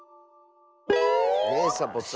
ねえサボさん。